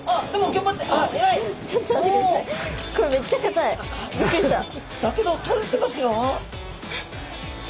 だけど取れてますよ。